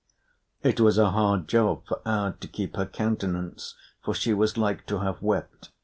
It was a hard job for Aud to keep her countenance, for she was like to have wept.